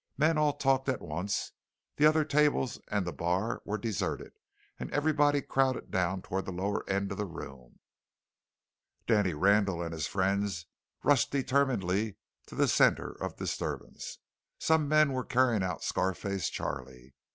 Men all talked at once. The other tables and the bar were deserted, and everybody crowded down toward the lower end of the room. Danny Randall and his friends rushed determinedly to the centre of disturbance. Some men were carrying out Scar face Charley.